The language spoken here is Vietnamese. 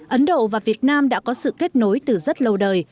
ấn độ và việt nam đã có sự kết nối từ rất lâu đời